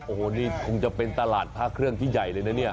โอ้โหนี่คงจะเป็นตลาดพระเครื่องที่ใหญ่เลยนะเนี่ย